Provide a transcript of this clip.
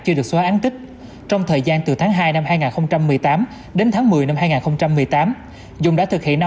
chưa được xóa án tích trong thời gian từ tháng hai năm hai nghìn một mươi tám đến tháng một mươi năm hai nghìn một mươi tám dung đã thực hiện